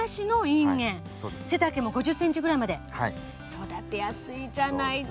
育てやすいじゃないですか。